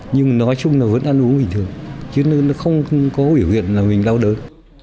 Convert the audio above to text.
nhưng nói chung nó vẫn ăn uống bình thường chứ nó không có hiểu việc là mình đau đớn